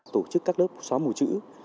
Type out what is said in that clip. tổ chức các lớp xóa mùa chữ